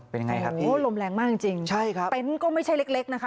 เป็นไงครับโหลมแรงมากจริงใช่ครับเต็นต์ก็ไม่ใช่เล็กนะคะ